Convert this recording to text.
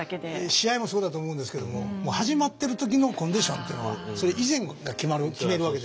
試合もそうだと思うんですけども始まってる時のコンディションというのはそれ以前が決めるわけですからね。